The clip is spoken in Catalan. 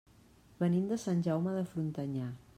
Venim de Sant Jaume de Frontanyà.